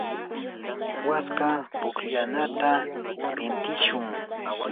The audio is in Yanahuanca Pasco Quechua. waska pukllanata pintishun.